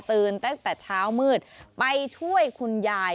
ตั้งแต่เช้ามืดไปช่วยคุณยาย